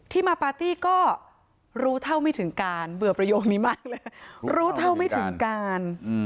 มาปาร์ตี้ก็รู้เท่าไม่ถึงการเบื่อประโยคนี้มากเลยรู้เท่าไม่ถึงการ